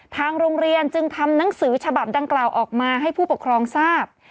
ทางโรงเรียนจึงทำหนังสือฉบับดังกล่าวออกมาให้ผู้ปกครองทราบ